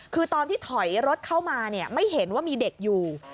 คือตอนที่ถอยรถเข้ามาไม่เห็นว่ามีเด็กอยู่